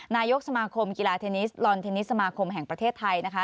นายกสมาคมกีฬาเทนนิสลอนเทนนิสสมาคมแห่งประเทศไทยนะคะ